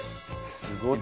すごい。